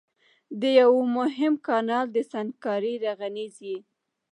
د يوه مهم کانال د سنګکارۍ رغنيزي